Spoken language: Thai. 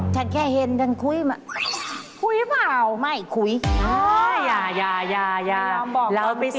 ฉันแค่เห็นกันคุยมาก